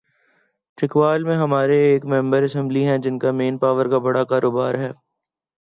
چکوال میں ہمارے ایک ممبر اسمبلی ہیں‘ جن کا مین پاور کا بڑا کاروبار ہے۔